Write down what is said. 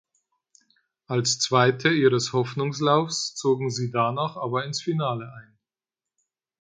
Als Zweite ihres Hoffnungslaufs zogen sie danach aber ins Finale ein.